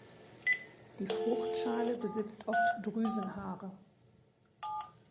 Die Fruchtschale besitzt oft Drüsenhaare.